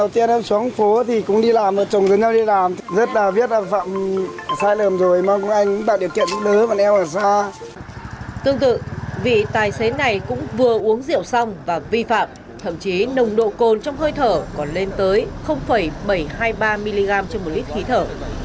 tương tự vị tài xế này cũng vừa uống rượu xong và vi phạm thậm chí nồng độ cồn trong hơi thở còn lên tới bảy trăm hai mươi ba mg trên một lít khí thở